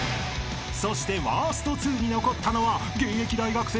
［そしてワースト２に残ったのは］